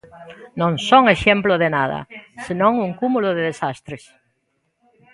Non son exemplo de nada, senón un cúmulo de desastres!